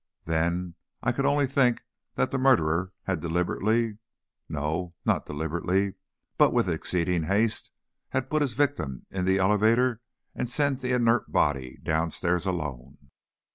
Then, I could only think that the murderer had deliberately, no, not deliberately, but with exceeding haste, had put his victim in the elevator and sent the inert body downstairs alone.